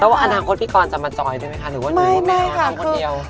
แล้วอนาคตพี่กรจะมาจอยด้วยไหมคะหรือว่าดูไม่มีค่าทั้งคนเดียว